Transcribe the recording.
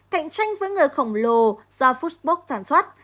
cạnh tranh với người khổng lồ do fookbook sản xuất